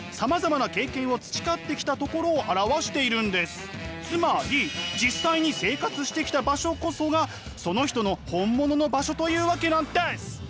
本物の場所というのはつまり実際に生活してきた場所こそがその人の本物の場所というわけなんです！